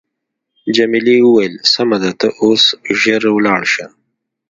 جميلې وويل: سمه ده ته اوس ژر ولاړ شه.